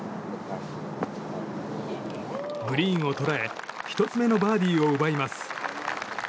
グリーンを捉え１つ目のバーディーを奪います。